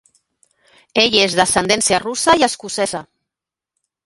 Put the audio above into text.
Ell és d'ascendència russa i escocesa.